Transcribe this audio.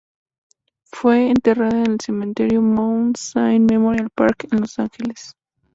Fue enterrada en el Cementerio Mount Sinai Memorial Park en Los Ángeles.